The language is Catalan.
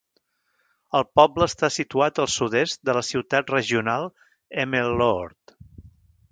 El poble està situat al sud-est de la ciutat regional Emmeloord.